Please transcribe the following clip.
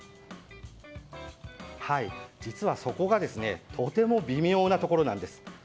実はそこがとても微妙なところなんです。